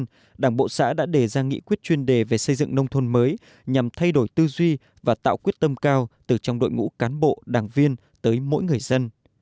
trong năm hai nghìn một mươi chín đảng bộ xã đã đề ra nghị quyết chuyên đề về xây dựng nông thôn mới nhằm thay đổi tư duy và tạo quyết tâm cao từ trong đội ngũ cán bộ đảng viên tới mỗi người dân